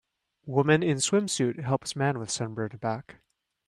Woman in swimsuit helps man with sunburned back.